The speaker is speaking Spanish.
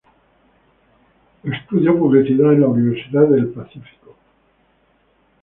Estudió publicidad en la Universidad del Pacífico.